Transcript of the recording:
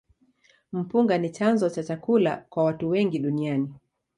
Mpunga ni chanzo cha chakula kwa watu wengi duniani.